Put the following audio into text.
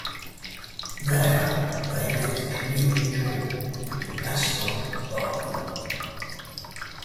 There, they met Camille Jordan and Gaston Darboux.